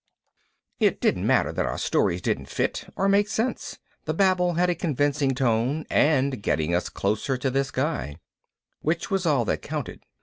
It didn't matter that our stories didn't fit or make sense, the babble had a convincing tone and getting us closer to this guy, which was all that counted.